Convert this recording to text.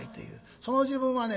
その時分はね